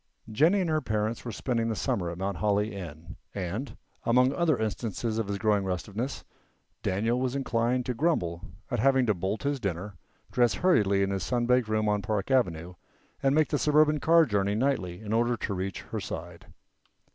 Jennie and her parents were spending the summer at Mount Holly Inn, and, among other instances of his growing restiveness, Daniel was inclined to grumble at having to bolt his dinner, dress hurriedly in his sun baked room on Park avenue, and make the suburban car journey nightly in order to reach her side.